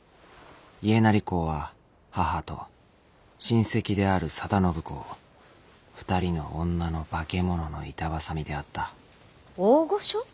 家斉公は母と親戚である定信公２人の女の化け物の板挟みであった大御所？